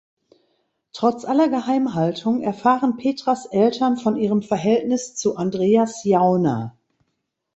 Trotz aller Geheimhaltung erfahren Petras Eltern von ihrem Verhältnis zu Andreas Jauner.